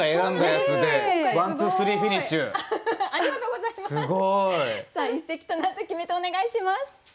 すごい。一席となった決め手をお願いします。